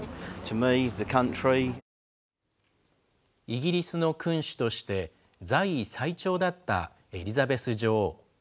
イギリスの君主として、在位最長だったエリザベス女王。